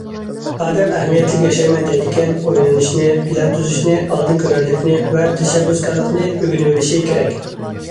ئادەم ئەھمىيەتلىك ياشايمەن دەيدىكەن ئويلىنىشنى، پىلان تۈزۈشنى، ئالدىن كۆرەرلىكنى ۋە تەشەببۇسكارلىقنى ئۆگىنىۋېلىشى كېرەك.